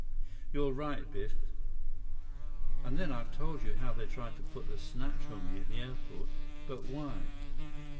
"You're right, Biff." "And then I've told you how they tried to put the snatch on me at the airport. But why?"